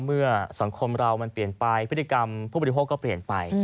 เมื่อสังคมเรามันเปลี่ยนไปพฤติกรรมผู้บริโภคก็เปลี่ยนไป